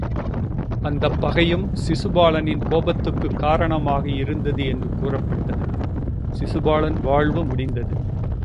அந்தப் பகையும் சிசுபாலனின் கோபத்துக் குக் காரணமாக இருந்தது என்று கூறப்பட்டது. சிசுபாலன் வாழ்வு முடிந்தது.